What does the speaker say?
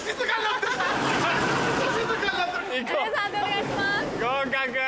合格。